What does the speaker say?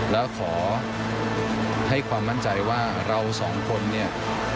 แล้วขอให้ความมั่นใจว่าเราสองคนเนี่ย